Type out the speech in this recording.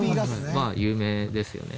まあ有名ですよね。